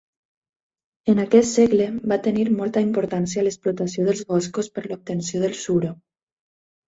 En aquest segle va tenir molta importància l'explotació dels boscos per l'obtenció del suro.